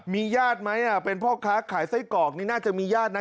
มีญาติไหมเป็นพ่อค้าขายไส้กรอกนี่น่าจะมีญาตินะ